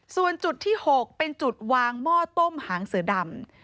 ส่วนจุดที่๖เป็นจุดวางหม้อต้มหางเสือดำ